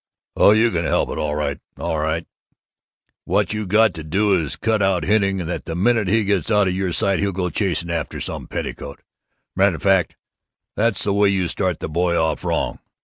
"Oh, you can help it, all right, all right! What you got to do is to cut out hinting that the minute he gets out of your sight, he'll go chasing after some petticoat. Matter fact, that's the way you start the boy off wrong.